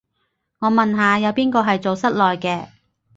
我問下，有邊個係做室內嘅